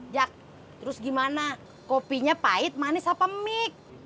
jak terus gimana kopinya pahit manis apa mic